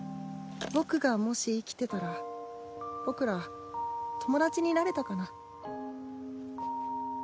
僕がもし生きてたら僕ら友達になれたかな？